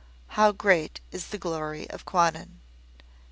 How great is the Glory of Kwannon!